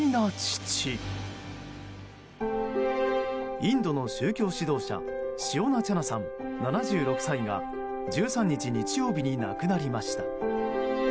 インドの宗教指導者シオナ・チャナさん、７６歳が１３日、日曜日に亡くなりました。